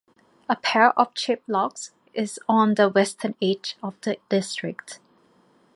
A pair of ship locks is on the western edge of the district.